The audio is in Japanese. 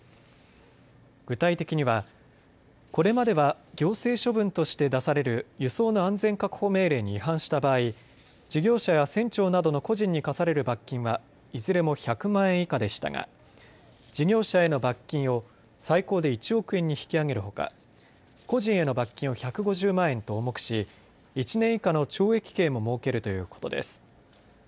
具体的にはこれまでは行政処分として出される輸送の安全確保命令に違反した場合、事業者や船長などの個人に科される罰金はいずれも１００万円以下でしたが事業者への罰金を最高で１億円に引き上げるほか個人への罰金を１５０万円と重くし１年以下の懲役刑も設けるということです。